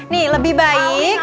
nih lebih baik